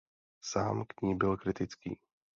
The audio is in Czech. Sám k ní byl kritický.